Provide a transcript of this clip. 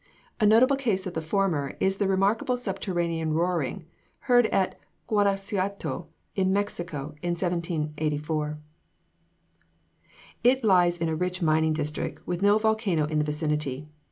A notable case of the former sort is the remarkable subterranean roaring heard at Guanaxuato, in Mexico, in 1784. It lies in a rich mining district, with no volcano in the vicinity.